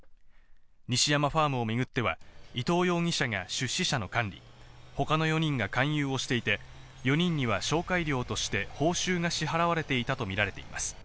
西山ファームをめぐっては、伊藤容疑者が出資者の管理、他の４人が勧誘をしていて、４人には紹介料として報酬が支払われていたとみられています。